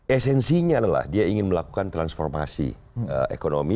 esensinya adalah dia ingin melakukan transformasi ekonomi